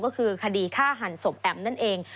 ก็คือคดีฆ่าหันศพแอ๋มนั่นเอง